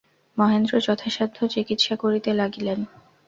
মহেন্দ্র যথাসাধ্য চিকিৎসা করিতে লাগিলেন।